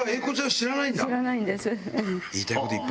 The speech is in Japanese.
知らないんです。